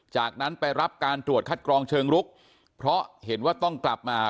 จากนั้นไปรับการตรวจคัดกรองเชิงลุกเพราะเห็นว่าต้องกลับมา